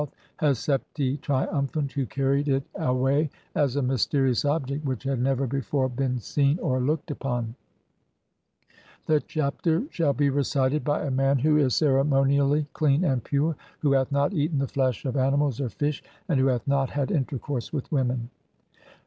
THE CHAPTER OF COMING FORTH BY DAY. Iig THE NORTH AND OF THE SOUTH, HESEPTI, TRIUMPHANT, WHO CARRIED [IT] AWAY AS A MYSTERIOUS OBJECT WHICH HAD NEVER [BEFORE] BEEN SEEN OR LOOKED UPON. THIS CHAPTER SHALL HE RECITED BY A MAN WHO IS CEREMONIALLY CLEAN AND PURE, WHO HATH NOT EATEN THE FLESH OF ANIMALS OR FISH, AND WHO HATH NOT HAD INTERCOURSE WITH WOMEN.